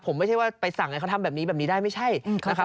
ผมไม่ใช่ว่าไปสั่งให้เขาทำแบบนี้แบบนี้ได้ไม่ใช่นะครับ